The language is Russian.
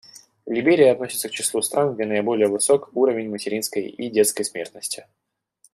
Либерия относится к числу стран, где наиболее высок уровень материнской и детской смертности.